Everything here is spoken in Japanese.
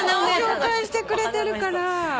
紹介してくれてるから。